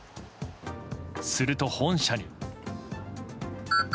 すると、本社に。